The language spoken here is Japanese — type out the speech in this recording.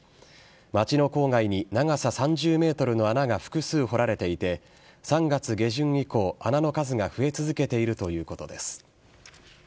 街の郊外に長さ３０ｍの穴が複数掘られていて３月下旬以降、穴の数が増え続けているということです。